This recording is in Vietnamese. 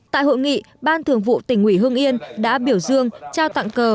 tại hội nghị ban thường vụ tỉnh ủy hương yên đã biểu dương trao tặng cờ